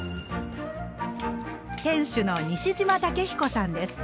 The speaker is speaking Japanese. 店主の西島武彦さんです。